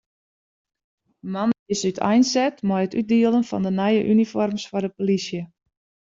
Moandei is úteinset mei it útdielen fan de nije unifoarms foar de polysje.